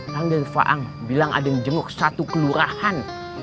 tanggal faang bilang ada yang jenguk satu kelurahan